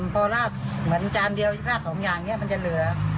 พอราดเหมือนจานเดียวราดสองอย่างนี้มันจะเหลือ